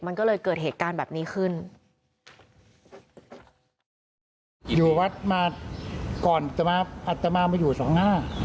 มันก็เลยเกิดเหตุการณ์แบบนี้ขึ้น